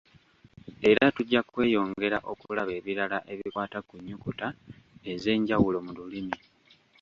Era tujja kweyongera okulaba ebirala ebikwata ku nnyukuta ez'enjawulo mu lulimi.